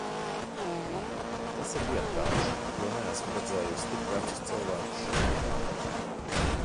Tas ir vienkārši, jo neesmu redzējusi tik vecus cilvēkus šeit nonākam.